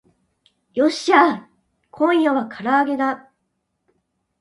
よっしゃー今夜は唐揚げだ